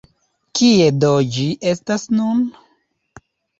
Kie do ĝi estas nun?